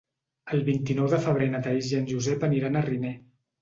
El vint-i-nou de febrer na Thaís i en Josep aniran a Riner.